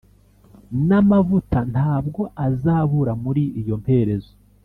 n’amavuta ntabwo azabura muri iyo mperezo